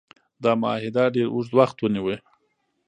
دا معاهده ډیر اوږد وخت ونیو.